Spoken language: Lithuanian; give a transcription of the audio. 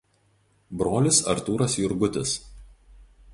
Brolis Artūras Jurgutis.